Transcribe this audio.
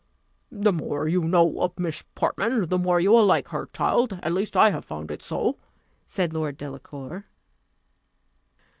"The more you know of Miss Portman the more you will like her, child at least I have found it so," said Lord Delacour.